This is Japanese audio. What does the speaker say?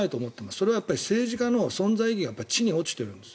それは政治家の存在意義が地に落ちているんです。